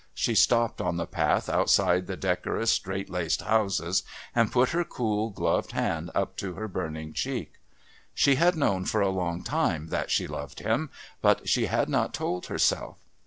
She stopped on the path outside the decorous strait laced houses and put her cool gloved hand up to her burning cheek. She had known for a long time that she loved him, but she had not told herself.